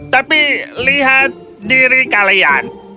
tapi lihat diri kalian